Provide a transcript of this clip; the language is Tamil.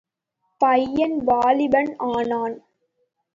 பையன் வாலிபன் ஆனான்.